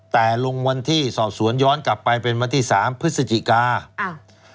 แต่ลงวันที่สอบสวนย้อนกลับไปเป็นวันที่สามพฤศจิกาอ้าว